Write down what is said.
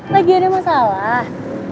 lagi ada masalah